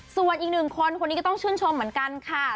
ส่วนอีกหนึ่งคนคนนี้ก็ต้องชื่นชมเหมือนกันค่ะ